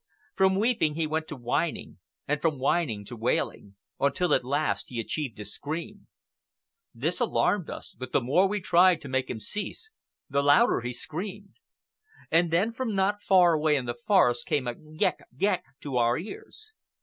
From weeping he went to whining, and from whining to wailing, until at last he achieved a scream. This alarmed us, but the more we tried to make him cease, the louder he screamed. And then, from not far away in the forest, came a "Goëk! Goëk!" to our ears.